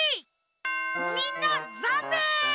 みんなざんねん！